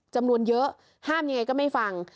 จำนวนเยอะห้ามยังไงก็ไม่ฟัง